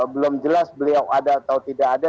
belum jelas beliau ada atau tidak ada